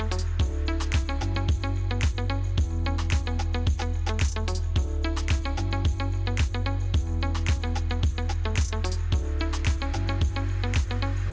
aduh kaldu sweet parah sih